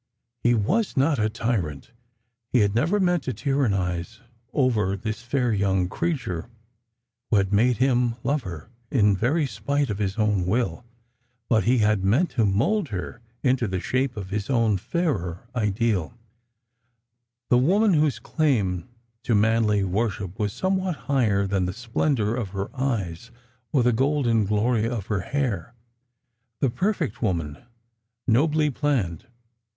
He was not a tyrant — he had never meant to tyrannise over this fair young creature who had madehim lovelier, in very spite of his own will. But he had meant to mould her into the shape of his still fairer ideal — the woman whose claim to manly worship was something higher than the splendour of her eyes or the golden glory of her hair — the perfect woman, nobly planned.